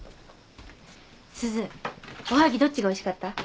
すずおはぎどっちがおいしかった？